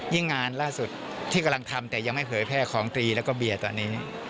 งานล่าสุดที่กำลังทำแต่ยังไม่เผยแพร่ของตรีแล้วก็เบียร์ตอนนี้